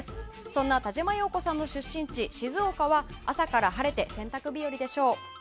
そんな田嶋さんの出身地静岡は朝から晴れて洗濯日和でしょう。